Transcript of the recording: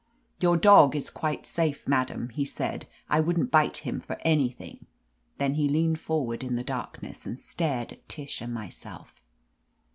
"Your dog is quite safe, madam," he said. "I wouldn't bite him for anything." Then he leaned forward in the darkness and stared at Tish and myself.